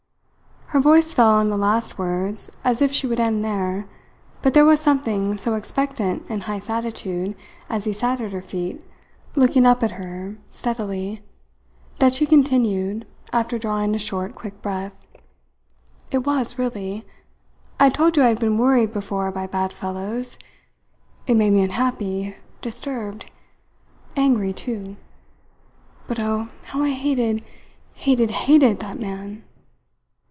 Her voice fell on the last words, as if she would end there; but there was something so expectant in Heyst's attitude as he sat at her feet, looking up at her steadily, that she continued, after drawing a short, quick breath: "It was, really. I told you I had been worried before by bad fellows. It made me unhappy, disturbed angry, too. But oh, how I hated, hated, hated that man!"